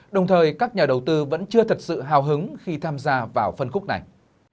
đồng thời các nhà đầu tư vẫn chưa thật sự hào hứng khi tham gia vào phân khúc này